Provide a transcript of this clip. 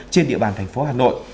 trên địa bàn thành phố hà nội